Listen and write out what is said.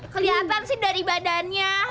keliatan sih dari badannya